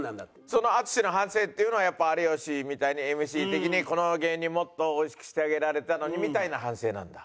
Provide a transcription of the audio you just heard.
その淳の反省っていうのはやっぱ有吉みたいにＭＣ的にこの芸人もっとおいしくしてあげられたのにみたいな反省なんだ？